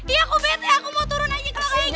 iya aku bete aku mau turun aja ke lokaik gini